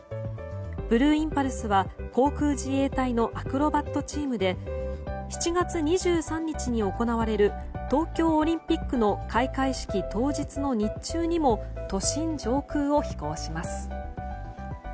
ブルーインパルスは航空自衛隊のアクロバットチームで７月２３日に行われる東京オリンピックの開会式当日の日中にも都心上空を飛行します。